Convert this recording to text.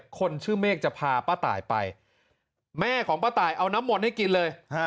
คนชื่อเมฆจะพาป้าตายไปแม่ของป้าตายเอาน้ำมนต์ให้กินเลย